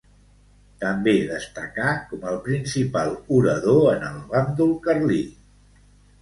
També destacà com el principal orador en el bàndol carlí.